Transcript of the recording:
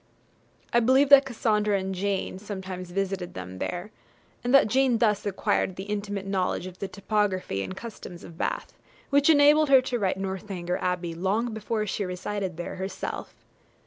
I believe that Cassandra and Jane sometimes visited them there, and that Jane thus acquired the intimate knowledge of the topography and customs of Bath, which enabled her to write 'Northanger Abbey' long before she resided there herself.